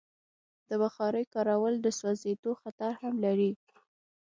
د بخارۍ کارول د سوځېدو خطر هم لري.